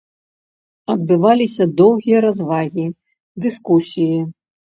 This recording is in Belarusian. Адбываліся доўгія развагі, дыскусіі.